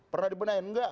pernah dibenahin nggak